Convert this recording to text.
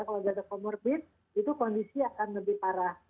kalau berada komorbid itu kondisi akan lebih parah